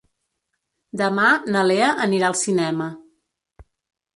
Demà na Lea anirà al cinema.